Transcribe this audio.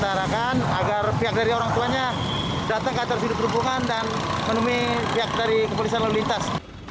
kita harapkan agar pihak dari orang tuanya datang ke atas di perhubungan dan menemui pihak dari kepolisian lalu lintas